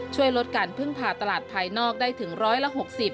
ช่วยลดการพึ่งผ่าตลาดภายนอกได้ถึงร้อยละ๖๐